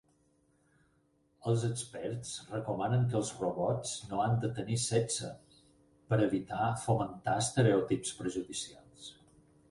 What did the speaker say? Els experts recomanen que els robots no han de tenir sexe per evitar fomentar estereotips perjudicials.